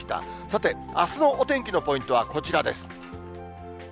さて、あすのお天気のポイントはこちらです。